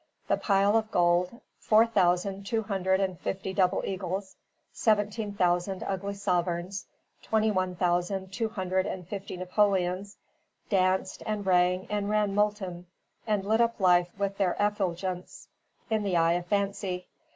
The pile of gold four thousand two hundred and fifty double eagles, seventeen thousand ugly sovereigns, twenty one thousand two hundred and fifty Napoleons danced, and rang and ran molten, and lit up life with their effulgence, in the eye of fancy.